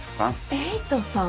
エイトさん？